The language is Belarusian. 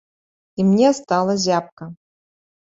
І мне стала зябка.